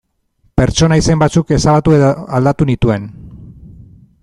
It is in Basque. Pertsona izen batzuk ezabatu edo aldatu nituen.